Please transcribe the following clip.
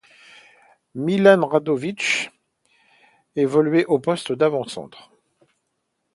Milan Radović évoluait au poste d'avant-centre.